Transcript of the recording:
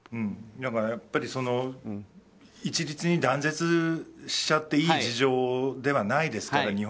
だからやっぱり一律に断絶しちゃっていい事情ではないですから。